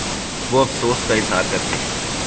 وہ افسوس کا اظہارکرتے ہیں